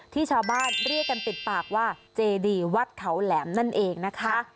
ที่ชาวบ้านเรียกกันติดปากว่าเจดีวัดเขาแหลมนั่นเองนะคะ